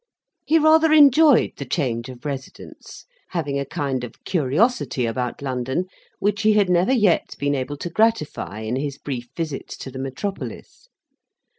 He rather enjoyed the change of residence; having a kind of curiosity about London, which he had never yet been able to gratify in his brief visits to the metropolis.